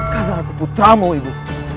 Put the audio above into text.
karena aku putramu ibu